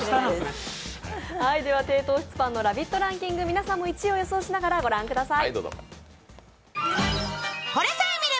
低糖質パンの「ラヴィット！ランキング」、皆さんも１位を予想しながら御覧ください。